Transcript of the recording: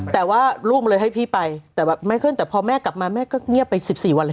แต่ว่าลูกเลยให้พี่ไปแต่แบบไม่ขึ้นแต่พอแม่กลับมาแม่ก็เงียบไป๑๔วันแล้ว